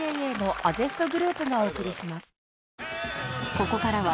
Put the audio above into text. ［ここからは］